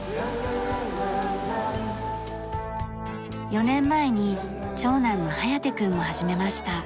４年前に長男の颯くんも始めました。